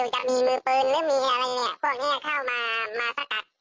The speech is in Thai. คือจะมีมือปืนหรือมีอะไรอย่างเงี้ยพวกเนี้ยเข้ามามาสกัด